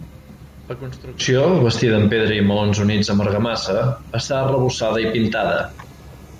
La construcció, bastida amb pedra i maons units amb argamassa, està arrebossada i pintada.